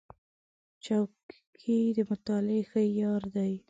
چوکۍ د مطالعې ښه یار دی.